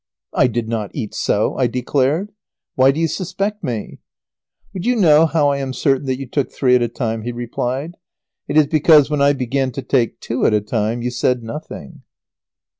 "I did not eat so," I declared. "Why do you suspect me?" "Would you know how I am certain that you took three at a time?" he replied. "It is because when I began to take two at a time you said nothing."